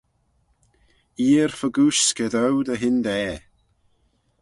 Eer fegooish scaadoo dy hyndaa.